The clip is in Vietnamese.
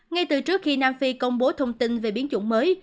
ngay từ trước khi nam phi công bố thông tin về biến chủng mới